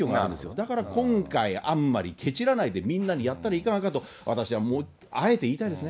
だから今回、あんまりけちらないで、みんなにやったらいかがかと、私はあえて言いたいですね。